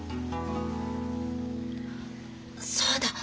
そうだ。